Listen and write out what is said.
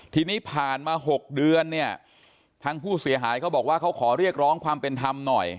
ทีนี้ผ่านมา๖เดือนเนี่ยทางผู้เสียหายเขาบอกว่าเขาขอเรียกร้องความเป็นธรรมหน่อย